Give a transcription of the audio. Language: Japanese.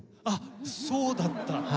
あっそうだった。